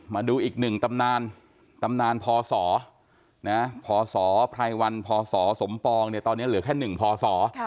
มาดูอีกหนึ่งตำนานตำนานพศพศพศสมปองตอนนี้เหลือแค่หนึ่งพศ